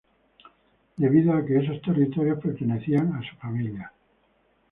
Debido a que esos territorios pertenecían a su familia.